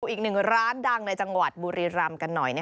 อีกหนึ่งร้านดังในจังหวัดบุรีรำกันหน่อย